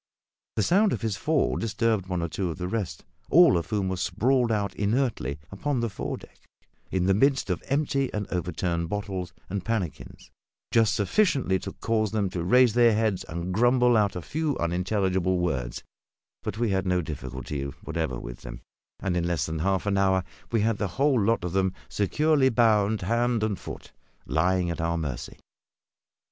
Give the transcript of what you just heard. The sound of his fall disturbed one or two of the rest all of whom were sprawled out inertly upon the foredeck, in the midst of empty and overturned bottles and pannikins just sufficiently to cause them to raise their heads and grumble out a few unintelligible words; but we had no difficulty whatever with them, and in less than half an hour we had the whole of them securely bound, hand and foot, and lying at our mercy.